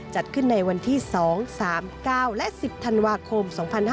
จัดขึ้นในวันที่๒๓๙และ๑๐ธันวาคม๒๕๕๙